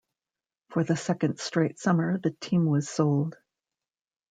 For the second straight summer the team was sold.